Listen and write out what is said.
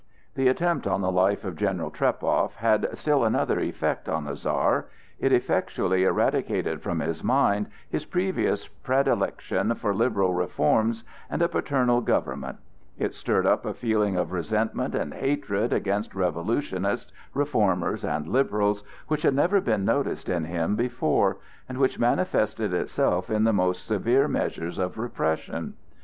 The attempt on the life of General Trepow had still another effect on the Czar. It effectually eradicated from his mind his previous predilection for liberal reforms and a paternal government; it stirred up a feeling of resentment and hatred against revolutionists, reformers, and liberals which had never been noticed in him before, and which manifested itself in the most severe measures of repression.